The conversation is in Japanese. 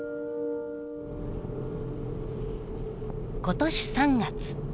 今年３月。